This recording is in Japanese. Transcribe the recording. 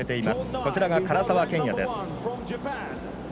こちらが唐澤剣也です。